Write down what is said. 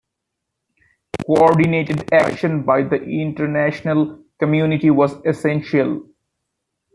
Coordinated action by the international community was essential.